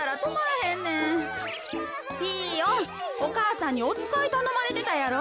ピーヨンお母さんにおつかいたのまれてたやろ。